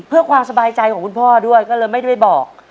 เพื่อความสบายใจของคุณพ่อด้วยก็เลยไม่ได้บอก